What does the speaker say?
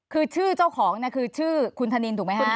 คือชื่อเจ้าของเนี่ยคือชื่อคุณธนินถูกไหมฮะ